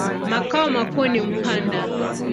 Makao makuu ni Mpanda.